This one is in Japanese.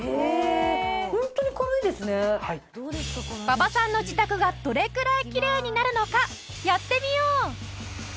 馬場さんの自宅がどれくらいきれいになるのかやってみよう！